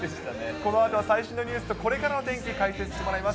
このあとは最新のニュースとこれからの天気を解説してもらいます。